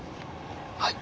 はい。